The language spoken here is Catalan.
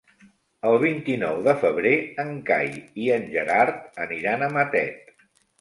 El vint-i-nou de febrer en Cai i en Gerard aniran a Matet.